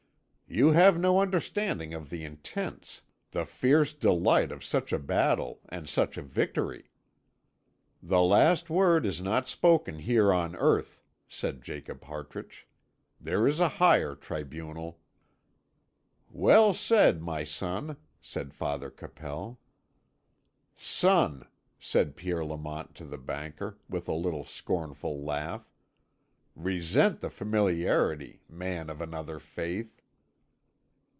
"You have no understanding of the intense, the fierce delight of such a battle and such a victory." "The last word is not spoken here on earth," said Jacob Hartrich. "There is a higher tribunal." "Well said, my son," said Father Capel. "Son!" said Pierre Lamont to the banker, with a little scornful laugh. "Resent the familiarity, man of another faith."